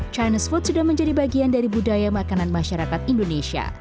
chinese food sudah menjadi bagian dari budaya makanan masyarakat indonesia